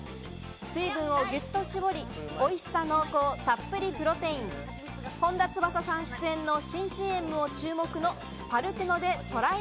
水分をぎゅっと絞り、おいしさ濃厚たっぷりプロテイン、本田翼さん出演の新ＣＭも注目のパルテノでＴＲＹ！